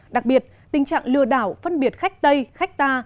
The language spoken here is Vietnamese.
đặc biệt tình trạng lừa đảo phân biệt khách tây khách ta